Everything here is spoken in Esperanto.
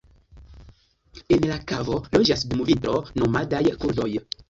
En la kavo loĝas dum vintro nomadaj kurdoj.